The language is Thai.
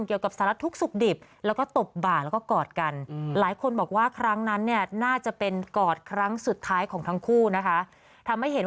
เกี่ยวกับสารทุกสุขดิบแล้วก็ตบบ่าแล้วก็กอดกัน